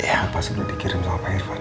yang pas udah dikirim sama pak irfan